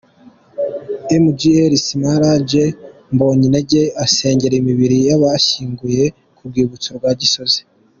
Mgr Smalagde Mbonyintege asengera imibiri y'abashyinguye ku Rwibutso rwa Gisozi .